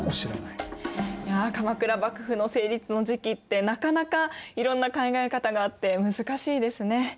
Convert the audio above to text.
いや鎌倉幕府の成立の時期ってなかなかいろんな考え方があって難しいですね。